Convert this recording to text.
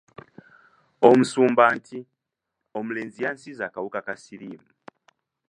Omusumba nti, “omulenzi yansiize akawuka ka siriimu”.